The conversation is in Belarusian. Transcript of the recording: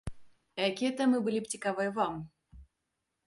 А якія тэмы былі б цікавыя вам?